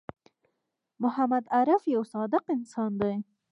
محمد عارف یوه صادق انسان دی